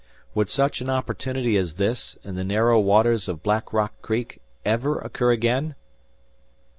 Would such an opportunity as this, in the narrow waters of Black Rock Creek, ever occur again!